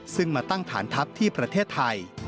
ซึ่งมาตั้งฐานทัพที่ประเทศไทย